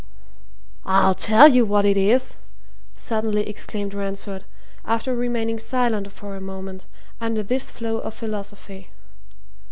"I'll tell you what it is!" suddenly exclaimed Ransford, after remaining silent for a moment under this flow of philosophy.